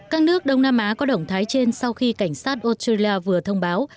các nước đông nam á có động thái trên sau khi cảnh sát australia vừa thông báo